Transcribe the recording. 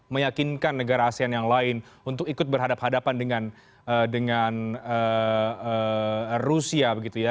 meyakinkan negara asean yang lain untuk ikut berhadapan dengan rusia